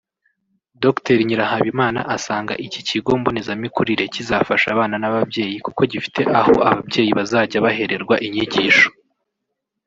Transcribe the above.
Dr Nyirahabimana asanga iki kigo mbonezamikurire kizafasha abana n’ ababyeyi kuko gifite aho ababyeyi bazajya bahererwa inyigisho